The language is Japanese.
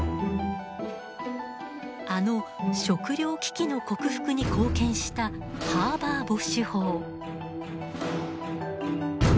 あの食糧危機の克服に貢献したハーバー・ボッシュ法。